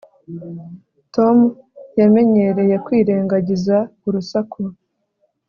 tom yamenyereye kwirengagiza urusaku